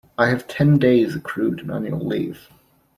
I have ten days accrued in annual leave.